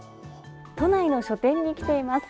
都内の書店に来ています。